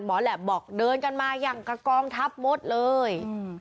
หมอแหละบอกเดินกันมาอย่างกระกองทัพมดเลย